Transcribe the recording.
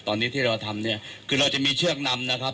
ตอนนี้ที่เราทำเนี่ยคือเราจะมีเชือกนำนะครับ